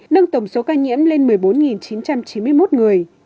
nâng tổng số ca nhiễm lên một mươi bốn chín trăm chín mươi một người